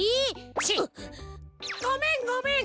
チッ！ごめんごめん！